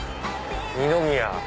二宮。